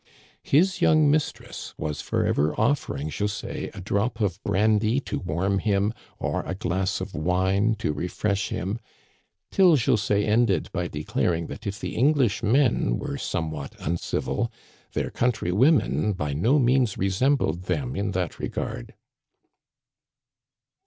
His young mistress was forever offering José a drop of brandy to warm him or a glass of wine to refresh him ; till José ended by declaring that if the Englishmen were somewhat uncivil, their countrywomen by no means resembled them in that regard.